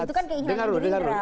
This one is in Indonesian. itu kan keinginan gerindra